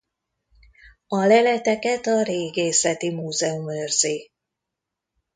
A leleteket a régészeti múzeum őrzi.